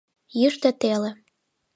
Йӱштӧ теле